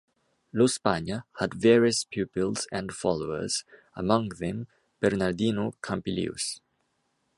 Lo Spagna had various pupils and followers, among them Bernardino Campilius.